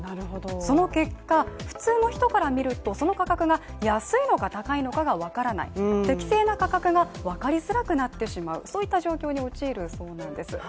その結果、普通の人から見るとその価格が安いのか高いのかがわからない適正な価格がわかりづらくなってしまう、そういった状況に陥るそうなんです。